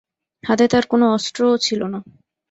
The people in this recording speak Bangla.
হাতে তাঁর কোনো অস্ত্রও ছিল না।